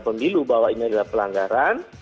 pemilu bahwa ini adalah pelanggaran